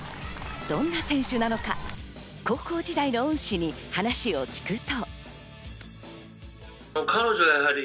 どんな選手なのか、高校時代の恩師に話を聞くと。